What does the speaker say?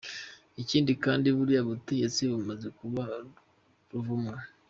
Ikindi kandi, buriya butegetsi bumaze kuba ruvumwa.